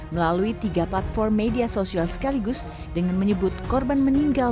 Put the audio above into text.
melalui tiga platform media sosial sekaligus dengan menyebut korban meninggal